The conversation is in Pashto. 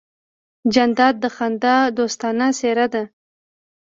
جانداد د خندا دوستانه څېرہ ده.